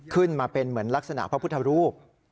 ขึ้นมาเป็นเหมือนลักษณะพระพุทธรูป